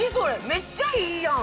めっちゃいいやん！